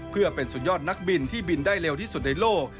เพื่อเป็นสุดยอดนักบินที่บินได้เร็วที่สุดในโลก